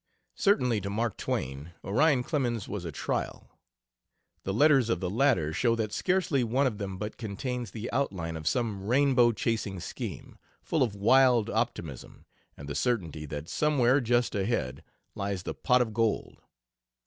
Certainly, to Mark Twain Orion Clemens was a trial. The letters of the latter show that scarcely one of them but contains the outline of some rainbow chasing scheme, full of wild optimism, and the certainty that somewhere just ahead lies the pot of gold.